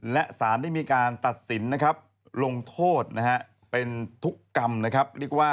และสารได้มีการตัดสินลงโทษเป็นทุกข์กรรม